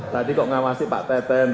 tadi kok ngawasi pak teten